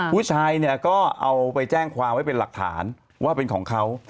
ผู้ชายเนี่ยก็เอาไปแจ้งความไว้เป็นหลักฐานว่าเป็นของเขา